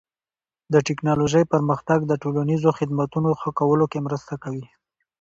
د ټکنالوژۍ پرمختګ د ټولنیزو خدمتونو ښه کولو کې مرسته کوي.